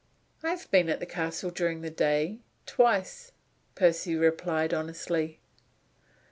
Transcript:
"I have been at the castle during the day, twice," Percy replied, honestly.